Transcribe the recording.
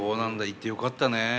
行ってよかったね。